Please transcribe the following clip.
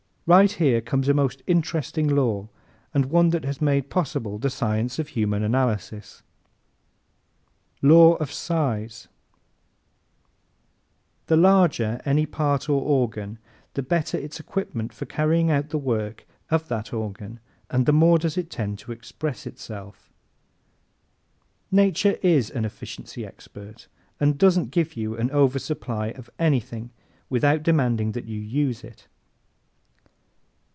¶ Right here comes a most interesting law and one that has made possible the science of Human Analysis: Law of Size ¶ _The larger any part or organ the better its equipment for carrying out the work of that organ and the more does it tend to express itself._ Nature IS an efficiency expert and doesn't give you an oversupply of anything without demanding that you use it.